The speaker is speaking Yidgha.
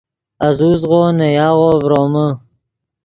آزوزغو نے یاغو ڤرومے